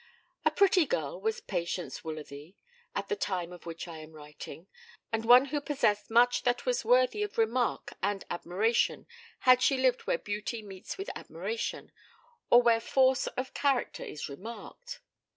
A pretty girl was Patience Woolsworthy at the time of which I am writing, and one who possessed much that was worthy of remark and admiration had she lived where beauty meets with admiration, or where force of character is remarked.